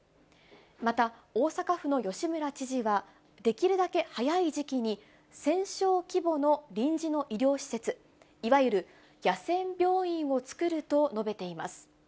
また、大阪府の吉村知事は、できるだけ早い時期に、１０００床規模の臨時の医療施設、いわゆる野戦病院を作ると述べています。